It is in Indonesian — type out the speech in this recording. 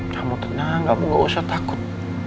kamu tenang kamu gak usah takut